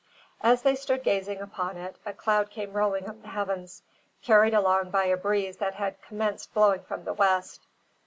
As they stood gazing upon it, a cloud came rolling up the heavens, carried along by a breeze that had commenced blowing from the west.